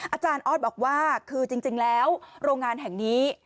อาจารย์ออสบอกว่าคือจริงแล้วโรงงานแห่งนี้